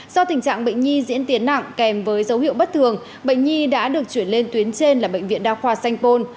do tình trạng bệnh nhi diễn tiến nặng kèm với dấu hiệu bất thường bệnh nhi đã được chuyển lên tuyến trên là bệnh viện đa khoa sanh pôn